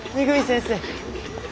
先生。